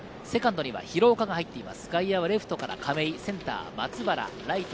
セカンドには廣岡が入っています。